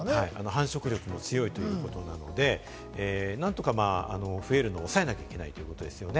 繁殖力も強いということなので、なんとか増えるのを抑えなきゃいけないということですよね。